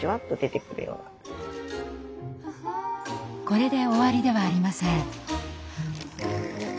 これで終わりではありません。